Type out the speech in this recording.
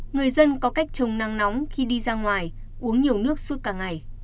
người dân có cách trồng nắng nóng khi đi ra ngoài uống nhiều nước suốt cả ngày